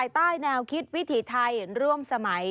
ใต้แนวคิดวิถีไทยร่วมสมัย